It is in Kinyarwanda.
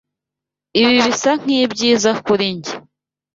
Ibi bisa nkibyiza kuri njye.